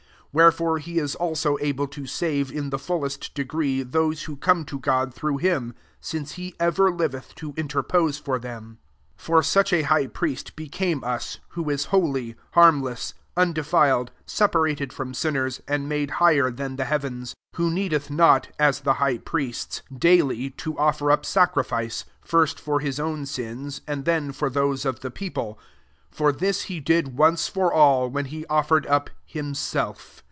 25 Wherefore he is also abb to save in the fullest degree tlit>se who* come to God through han, since he ever liveth to interpose for them. 26 For such a high piitft became us, who is holy, haisa less, undefiled, sep^^ited ftpm sinners, and made higher #«n the heavens; 27 who neeledi not, as the high priests, daily HEBREWS VIII. 9S7 to <^erup sacrifice^ first for his own sins, and then for those of the people: for this he did once ybr a//, when he offered up himself.